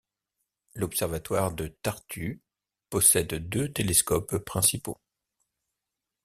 L'observatoire de Tartu possède deux télescopes principaux.